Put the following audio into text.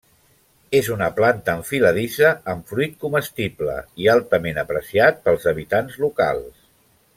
És una planta enfiladissa amb fruit comestible i altament apreciat pels habitants locals.